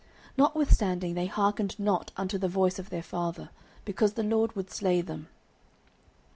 Notwithstanding they hearkened not unto the voice of their father, because the LORD would slay them.